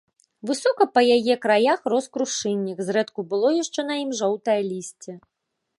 Высока па яе краях рос крушыннік, зрэдку было яшчэ на ім жоўтае лісце.